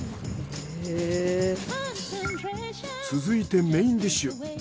続いてメインディッシュ。